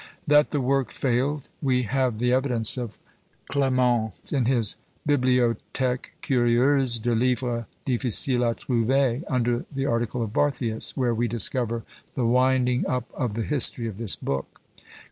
That the work failed, we have the evidence of Clement in his "BibliothÃẀque curieuse de Livres difficiles Ã trouver," under the article Barthius, where we discover the winding up of the history of this book.